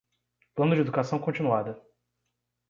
Plano de educação continuada.